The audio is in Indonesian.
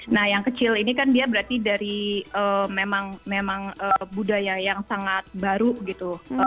nah yang kecil ini kan dia berarti dari memang budaya yang sangat baru gitu